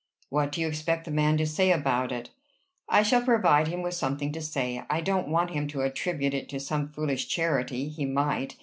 "What do you expect the man to say about it?" "I shall provide him with something to say. I don't want him to attribute it to some foolish charity. He might.